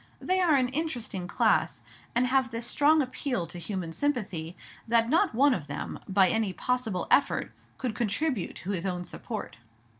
They are an interesting class, and have this strong appeal to human sympathy, that not one of them, by any possible effort, could contribute to his own support.